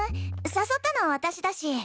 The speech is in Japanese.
誘ったの私だし。